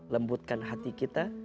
lembutkan hati kita